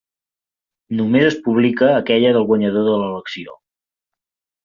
Només es publica aquella del guanyador de l'elecció.